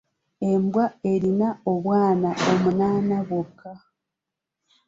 Embwa alina obwana omunaana bwokka.